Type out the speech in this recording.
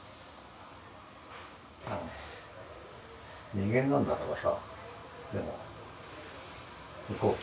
人間なんだからさでも行こうぜ。